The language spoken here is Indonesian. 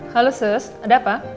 halo sus ada apa